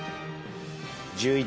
１１。